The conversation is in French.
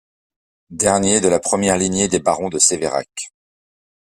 Dernier de la première lignée des barons de Sévérac.